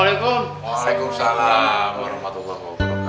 perkenalkan aku ke tempat yang baik